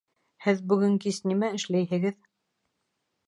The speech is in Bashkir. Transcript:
Һеҙ бөгөн кис нимә эшләйһегеҙ?